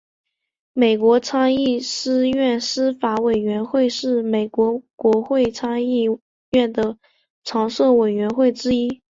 美国参议院司法委员会是美国国会参议院的常设委员会之一。